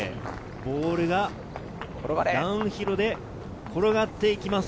ボールはダウンヒルで転がっていきます。